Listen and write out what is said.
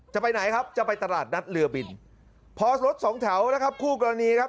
จะไปไหนครับจะไปตลาดนัดเรือบินพอรถสองแถวนะครับคู่กรณีครับ